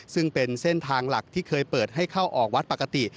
ซึ่งเป็นเส้นทางหลักที่เคยเปิดให้เข้าออกวัดปกติ